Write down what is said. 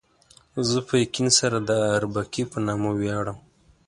زه په یقین سره د اربکي په نامه ویاړم.